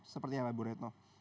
seperti apa ibu retno